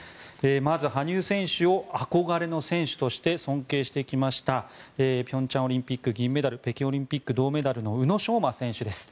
まず羽生選手を憧れの選手として尊敬してきました平昌オリンピック、銀メダル北京オリンピック、銅メダルの宇野昌磨選手です。